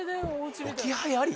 置き配あり？